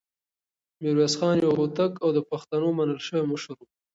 ميرويس خان يو هوتک او د پښتنو منل شوی مشر و.